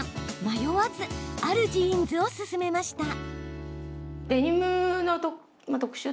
迷わずあるジーンズを勧めました。